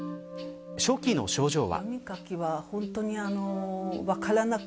初期の症状は。